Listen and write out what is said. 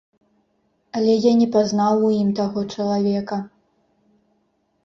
Але я не пазнаў у ім таго чалавека.